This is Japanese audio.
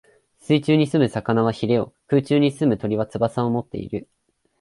水中に棲む魚は鰭を、空中に棲む鳥は翅をもっている。